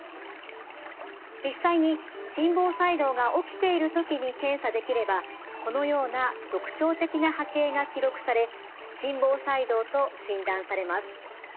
実際に心房細動が起きている時に検査できればこのような特徴的な波形が記録され心房細動と診断されます。